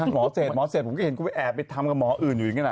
หมอเศษหมอเศษผมก็เห็นกูแอบไปทำกับหมออื่นอยู่นี่แหละ